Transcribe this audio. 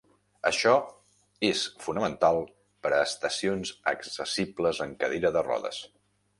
Això és fonamental per a estacions accessibles en cadira de rodes.